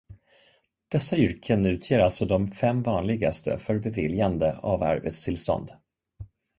Dessa yrken utgör alltså de fem vanligaste för beviljande av arbetstillstånd.